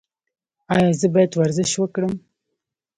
ایا زه باید ورزش وکړم؟